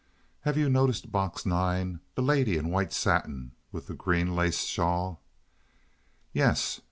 "Have you noticed Box 9—the lady in white satin with the green lace shawl?" "Yes."